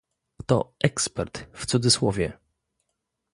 To „ekspert” w cudzysłowie.